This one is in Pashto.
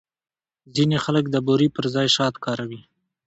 ځینې خلک د بوري پر ځای شات کاروي.